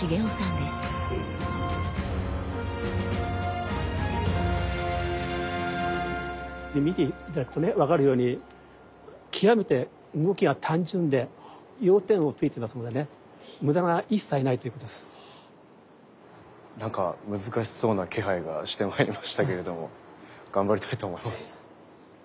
で見て頂くとね分かるように極めて動きが単純で要点をついてますのでねなんか難しそうな気配がしてまいりましたけれども頑張りたいと思います。